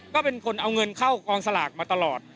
ก็เป็นคนเอาเงินเข้ากองสลากมาตลอด